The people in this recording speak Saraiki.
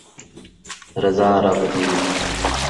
رضا رب دی